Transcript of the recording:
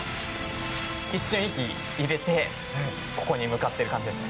一瞬、息を入れてここに向かってる感じです。